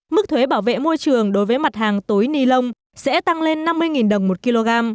mức thuế bảo vệ môi trường đối với mặt hàng túi ni lông sẽ tăng lên năm mươi đồng một kg